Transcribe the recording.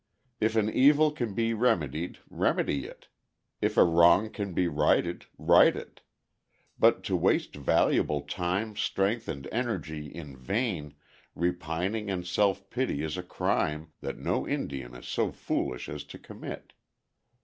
If an evil can be remedied, remedy it. If a wrong can be righted, right it. But to waste valuable time, strength, and energy in vain repining and self pity is a crime that no Indian is so foolish as to commit.